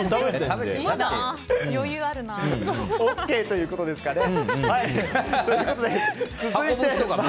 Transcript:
ＯＫということですかね。